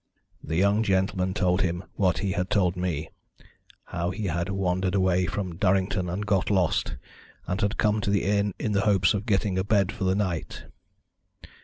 The young gentleman told him what he had told me how he had wandered away from Durrington and got lost, and had come to the inn in the hopes of getting a bed for the night.